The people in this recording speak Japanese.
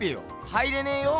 入れねえよ！